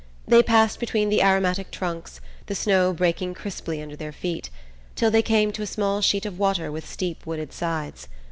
They passed between the aromatic trunks, the snow breaking crisply under their feet, till they came to a small sheet of water with steep wooded sides.